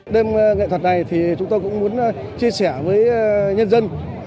đêm nghệ thuật này thì chúng tôi cũng muốn chia sẻ với nhân dân